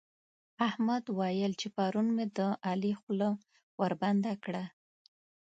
احمد ويل چې پرون مې د علي خوله وربنده کړه.